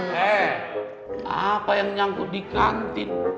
hei apa yang nyangkut di kantin